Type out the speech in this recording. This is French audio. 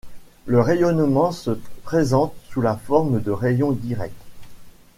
Le rayonnement se présente sous la forme de rayons directs.